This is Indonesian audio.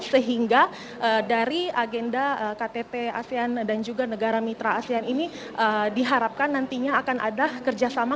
sehingga dari agenda ktt asean dan juga negara mitra asean ini diharapkan nantinya akan ada kerjasama